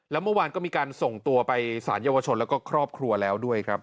แล้วเมื่อวานก็มีการส่งตัวไปสารเยาวชนแล้วก็ครอบครัวแล้วด้วยครับ